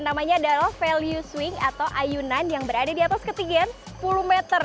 namanya adalah value swing atau ayunan yang berada di atas ketinggian sepuluh meter